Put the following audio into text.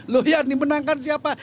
lo ini menangkan siapa